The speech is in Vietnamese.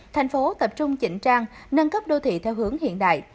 thành phố tập trung chỉnh trang nâng cấp đô thị theo hướng hiện đại